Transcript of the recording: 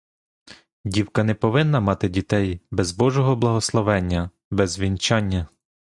Дівка не повинна мати дітей без божого благословення, без вінчання.